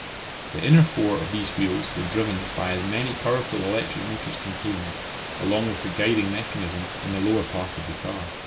The inner four of these wheels were driven by as many powerful electric motors contained, along with the guiding mechanism, in the lower part of the car.